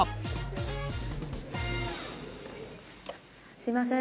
すいません。